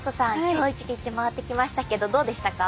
今日１日回ってきましたけどどうでしたか？